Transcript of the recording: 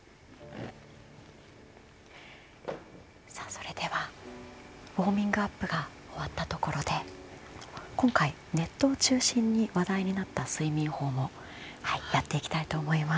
それではウォーミングアップが終わったところで今回、ネットを中心に話題になった睡眠法をやっていきたいと思います。